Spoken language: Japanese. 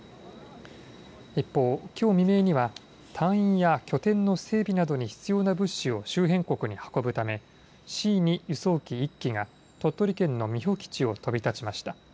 一方、きょう未明には隊員や拠点の整備などに必要な物資を周辺国に運ぶためＣ２輸送機１機が鳥取県の美保基地を飛び立ちました。